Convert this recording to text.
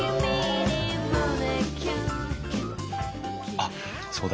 あっそうだ。